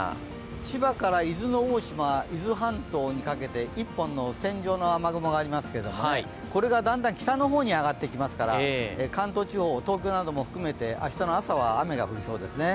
千葉から伊豆の大島、伊豆半島にかけて１本の線状の雨雲がありますが、これがだんだん北の方に上がってきますから関東地方、東京なども含めて明日の朝は雨が降りそうですね。